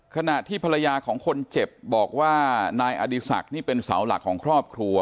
ขณะที่ภรรยาของคนเจ็บบอกว่านายอดีศักดิ์นี่เป็นเสาหลักของครอบครัว